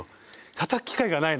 たたく機会がないの。